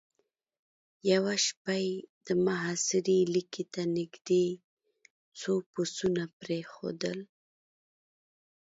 يوه شپه يې د محاصرې ليکې ته نېزدې څو پسونه پرېښودل.